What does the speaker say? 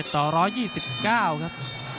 ๑๒๗ต่อ๑๒๙ครับ